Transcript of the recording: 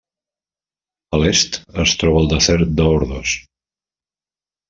A l'est es troba el desert d'Ordos.